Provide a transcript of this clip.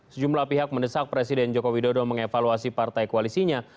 sejumlah pihak mendesak presiden jokowi dodo mengevaluasi partai koalisinya